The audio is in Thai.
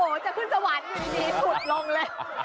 คุณเนี่ยโอ้โหจะขึ้นสวรรค์อย่างดีถุดลงเลย